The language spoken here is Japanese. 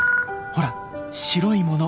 ほら白いもの。